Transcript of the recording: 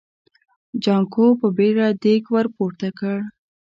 جانکو په بيړه دېګ ور پورته کړ.